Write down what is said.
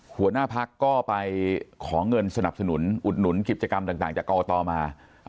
หัวหน้าพักก็ไปขอเงินสนับสนุนอุดหนุนกิจกรรมต่างจากกรกตมา